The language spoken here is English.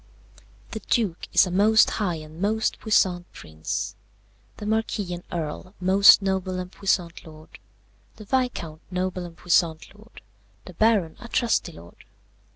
"The Duke is a most high and most puissant prince, the Marquis and Earl most noble and puissant lord, the Viscount noble and puissant lord, the Baron a trusty lord.